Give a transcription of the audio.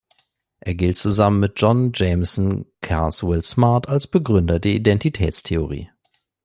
Er gilt zusammen mit John Jamieson Carswell Smart als Begründer der Identitätstheorie.